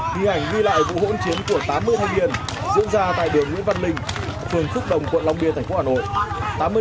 ghi ảnh ghi lại vụ hỗn chiến của tám mươi thanh niên diễn ra tại đường nguyễn văn linh phường phúc đồng quận long biên thành phố hà nội